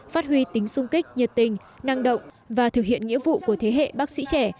phát huy tính sung kích nhiệt tình năng động và thực hiện nghĩa vụ của thế hệ bác sĩ trẻ